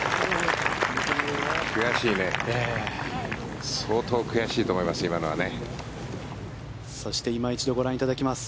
悔しいね相当悔しいと思います